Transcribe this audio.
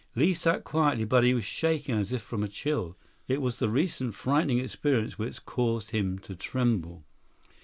Li sat quietly, but he was shaking as if from a chill. It was the recent frightening experience which caused him to tremble.